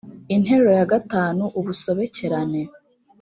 interuro ya gatanu ubusobekerane